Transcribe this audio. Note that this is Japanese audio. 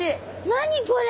何これ！？